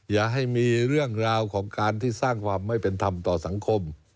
อย่าให้มีเรื่องราวของการที่สร้างความไม่เป็นธรรมต่อสังคม